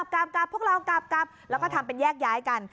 กลับกลับพวกเรากลับกลับแล้วก็ทำเป็นแยกย้ายกัน